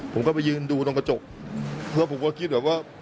ผมก็ไปยืนดูตรงกระจกเพราะผมก็คิดเหมือนว่า